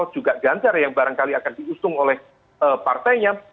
juga ganjar yang barangkali akan diusung oleh partainya